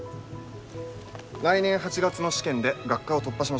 来年８月の試験で学科を突破しましょう。